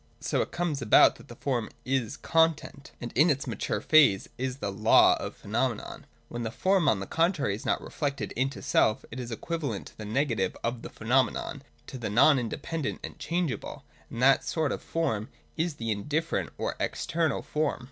So it comes about that the form is Content: and in its mature phase is the Law of the Phenomenon. When the form, on the contrary, is not reflected into self, it is equivalent to the negative of the phenomenon, to the non inde pendent and changeable : and that sort of form is the indifferent or External Form.